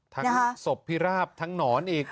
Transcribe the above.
ทั้งสบพิราบทั้งหนอนอีก